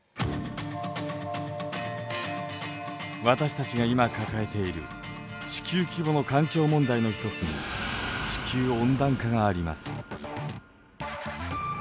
私たちが今抱えている地球規模の環境問題の一つに地球温暖化があります。